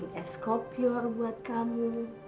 mama bawa es kopior buat kamu